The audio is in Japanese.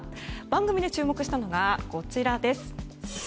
番組で注目したのがこちらです。